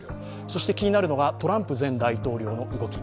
そして、気になるのがトランプ前大統領の動き。